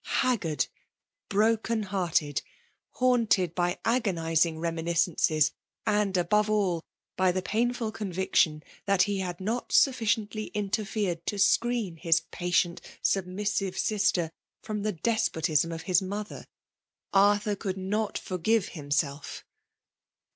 Haggard, broken hearted, haunted by agonizing reminiscences, and above dU, by the painfol conviction, that he had not aofficiently interfered to screen his patient, flubmisnve sister, firom the despotism of hia mother, Arthur could not forgive himself.